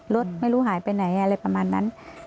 รถไม่รู้หายไปไหนอะไรประมาณนั้น